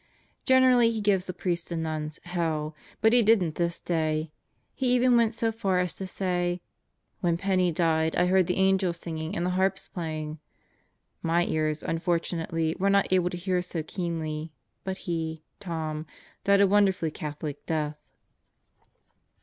Generally he gives the priests and nuns "hell" but he didn't this day. He even went so far as to say: "When Penney died I heard the angels singing and the harps playing." My ears, unfortunately, were not able to hear so keenly; but he (Tom) died a wonderfully Catholic death.